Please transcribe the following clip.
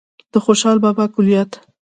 د خوشال بابا کلیات